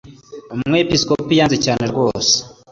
Umwepiskopi yanze cyane rwose